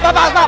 pak pak pak